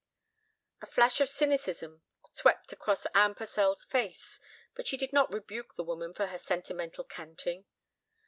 A flash of cynicism swept across Anne Purcell's face. But she did not rebuke the woman for her sentimental canting.